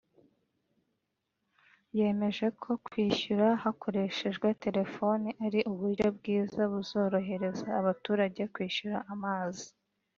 yemeje ko kwishyura hakorehejwe telefoni ari uburyo bwiza buzorohereza abaturage kwishyura amazi